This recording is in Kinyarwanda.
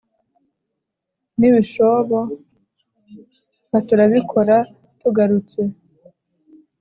nibishobo katurabikora tugarutse